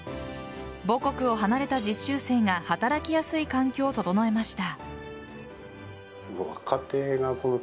母国を離れた実習生が働きやすい環境を整えました。